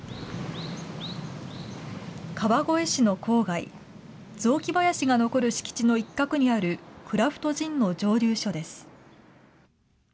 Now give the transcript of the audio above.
川越市の郊外、雑木林が残る敷地の一角にあるクラフトジンの蒸留所です。